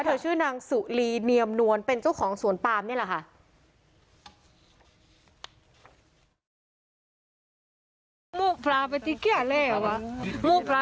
ชื่อนางสุรีเนียมนวลเป็นเจ้าของสวนปามนี่แหละค่ะ